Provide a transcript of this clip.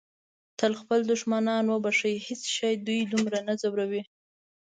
تل خپل دښمنان وبښئ. هیڅ شی دوی دومره نه ځوروي.